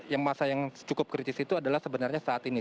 yang masa yang cukup kritis itu adalah sebenarnya saat ini